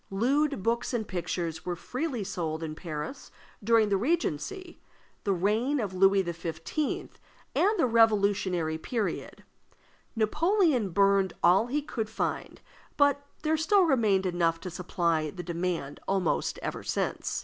Lewd books and pictures were freely sold in Paris during the Regency, the reign of Louis XV., and the Revolutionary period. Napoleon burned all he could find, but there still remained enough to supply the demand almost ever since.